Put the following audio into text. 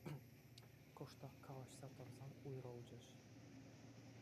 Кӑштах калаҫса тӑрсан уйрӑлчӗҫ.